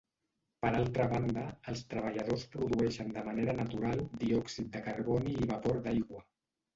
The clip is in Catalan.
Per altra banda, els treballadors produeixen de manera natural diòxid de carboni i vapor d'aigua.